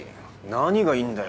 何がいいんだよ